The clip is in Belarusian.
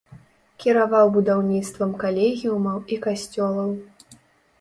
Кіраваў будаўніцтвам калегіумаў і касцёлаў.